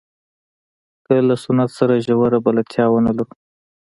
که له سنت سره ژوره بلدتیا ونه لرو.